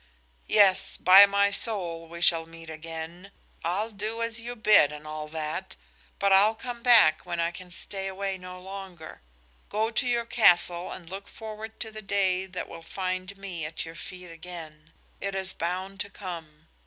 "Yes, by my soul, we shall meet again! I'll do as you bid and all that, but I'll come back when I can stay away no longer. Go to your castle and look forward to the day that will find me at your feet again. It is bound to come.